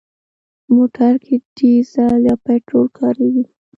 موټر کې ډيزل یا پټرول کارېږي.